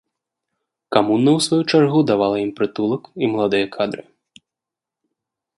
Камуна ў сваю чаргу давала ім прытулак і маладыя кадры.